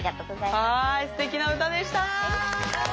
はいすてきな歌でした。